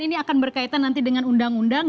ini akan berkaitan nanti dengan undang undang